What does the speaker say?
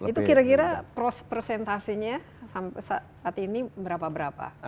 itu kira kira persentasenya saat ini berapa berapa